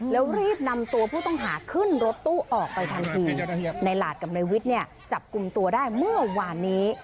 แล้วรีบนำตัวผู้ต้องหาขึ้นรถตู้ออกไปทันทีในหลาดกับนายวิทย์เนี่ยจับกลุ่มตัวได้เมื่อวานนี้